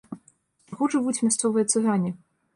З чаго жывуць мясцовыя цыгане?